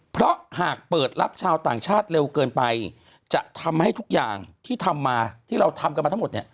เพราะหากเปิดรับชาวต่างชาติเร็วเกินไปจะทำให้ทุกอย่างที่ทำมาที่เราทำกันมาทั้งหมดเนี่ย